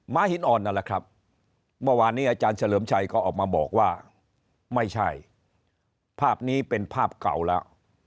้าหินอ่อนนั่นแหละครับเมื่อวานนี้อาจารย์เฉลิมชัยก็ออกมาบอกว่าไม่ใช่ภาพนี้เป็นภาพเก่าแล้ว